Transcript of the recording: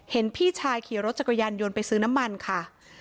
พี่ชายขี่รถจักรยานยนต์ไปซื้อน้ำมันค่ะ